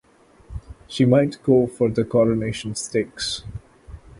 She might go for the Coronation Stakes.